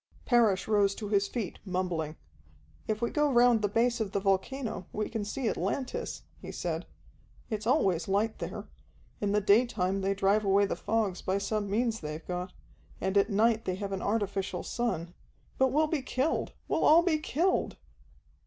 Parrish rose to his feet, mumbling. "If we go round the base of the volcano we can see Atlantis," he said. "It's always light there. In the daytime they drive away the fogs by some means they've got, and at night they have an artificial sun. But we'll be killed, we'll all be killed."